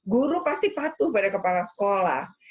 guru pasti patuh pada kepala sekolah